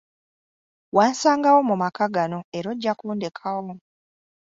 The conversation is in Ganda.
Wansangawo mu maka gano era ojja kundekawo.